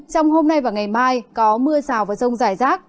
trong hôm nay và ngày mai có mưa rào vào rông giải rác